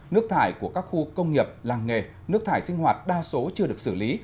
nước thải của các khu công nghiệp làng nghề nước thải sinh hoạt đa số chưa được xử lý